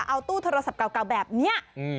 เอาตู้โทรศัพท์เก่าแบบนี้